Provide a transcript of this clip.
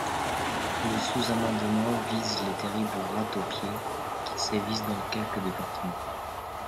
Le sous-amendement vise les terribles rats taupiers, qui sévissent dans quelques départements.